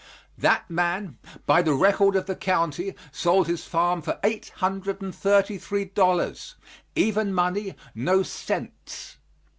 That man, by the record of the county, sold his farm for eight hundred and thirty three dollars even money, "no cents."